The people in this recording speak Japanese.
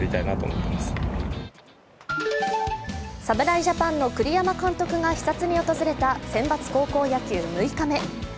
侍ジャパンの栗山監督が視察に訪れたセンバツ高校野球６日目。